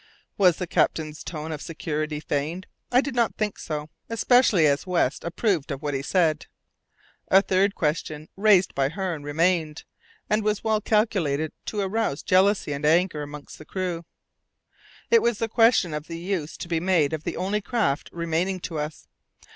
Was the captain's tone of security feigned? I did not think so, especially as West approved of what he said. A third question raised by Hearne remained, and was well calculated to arouse jealousy and anger among the crew. It was the question of the use to be made of the only craft remaining to us.